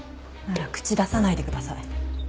なら口出さないでください。